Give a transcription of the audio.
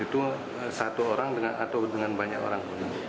itu satu orang atau dengan banyak orang pun